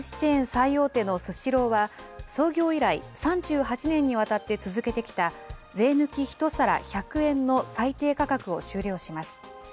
最大手のスシローは、創業以来３８年にわたって続けてきた、税抜き１皿１００円の最低価格を終了します。